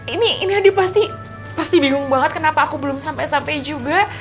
ini adi pasti bingung banget kenapa aku belum sampai sampai juga